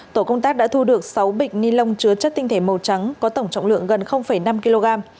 tổ công tác đã thu được sáu bịch ni lông chứa chất tinh thể màu trắng có tổng trọng lượng gần năm kg